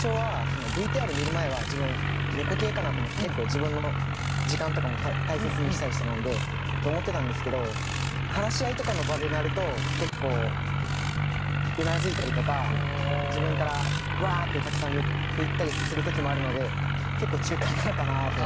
自分の時間とかも大切にしたい人なんで。と思ってたんですけど話し合いとかの場でなると結構うなずいたりとか自分からわってたくさん言っていったりする時もあるので結構中間なのかなと。